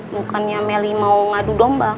bukannya melly mau ngadu domba